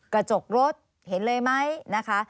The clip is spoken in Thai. กระจกรถเห็นเลยไหมนะคะ